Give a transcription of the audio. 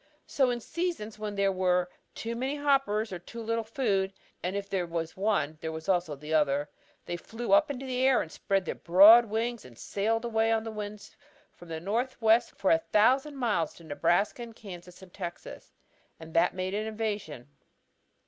So in seasons when there were too many hoppers or too little food and if there was one, there was also the other they flew up into the air, spread their broad wings and sailed away on the winds from the northwest for a thousand miles to Nebraska and Kansas and Texas. And that made an invasion."